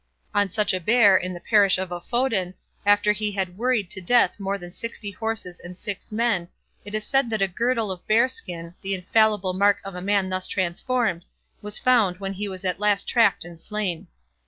On such a bear, in the parish of Oföden, after he had worried to death more than sixty horses and six men, it is said that a girdle of bearskin, the infallible mark of a man thus transformed, was found when he was at last tracked and slain.